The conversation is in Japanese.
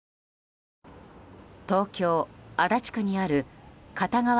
東京・足立区にある片側